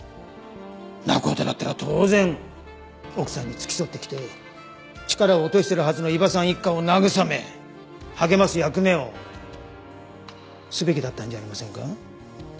仲人だったら当然奥さんに付き添って来て力を落としてるはずの伊庭さん一家を慰め励ます役目をすべきだったんじゃありませんか？